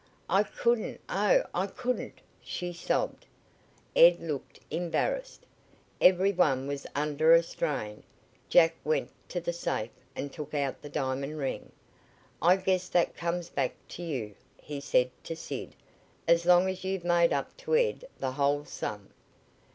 "I couldn't oh, I couldn't!" she sobbed. Ed looked embarrassed. Every one was under a strain. Jack went to the safe and took out the diamond ring. "I guess that comes back to you," he said to Sid, "as long as you've made up to Ed the whole sum."